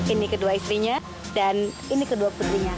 ini kedua istrinya dan ini kedua putrinya